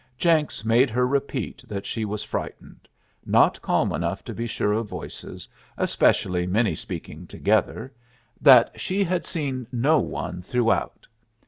Jenks made her repeat that she was frightened; not calm enough to be sure of voices, especially many speaking together; that she had seen no one throughout.